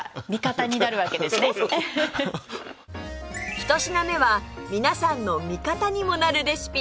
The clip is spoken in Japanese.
１品目は皆さんの味方にもなるレシピ